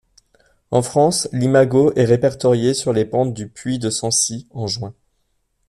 En France, l'imago est répertoriée sur les pentes du Puy de Sancy en Juin.